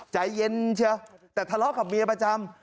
ใจเย็นเชียวแต่ทะเลาะกับเมียประจำ